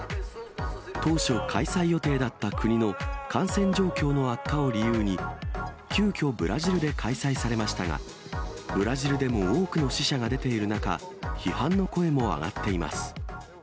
当初、開催予定だった国の感染状況の悪化を理由に、急きょ、ブラジルで開催されましたが、ブラジルでも多くの死者が出ている中、批判の声も上がっています。